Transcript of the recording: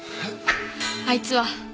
あいつは。